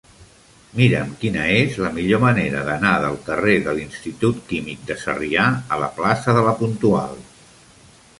Mira'm quina és la millor manera d'anar del carrer de l'Institut Químic de Sarrià a la plaça de La Puntual.